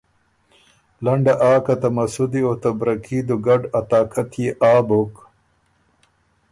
لنډه آ که ته مسودی او ته برکي دُوګډ ا طاقت يې آ بُک